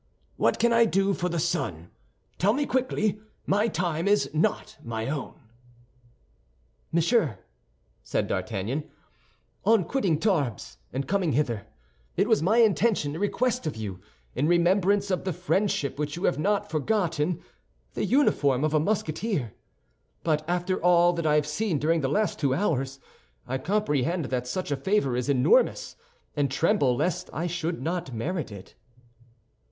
"What can I do for the son? Tell me quickly; my time is not my own." "Monsieur," said D'Artagnan, "on quitting Tarbes and coming hither, it was my intention to request of you, in remembrance of the friendship which you have not forgotten, the uniform of a Musketeer; but after all that I have seen during the last two hours, I comprehend that such a favor is enormous, and tremble lest I should not merit it."